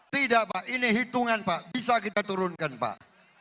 tidak pak ini hitungan pak bisa kita turunkan pak